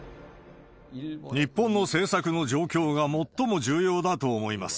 日本の政策の状況が最も重要だと思います。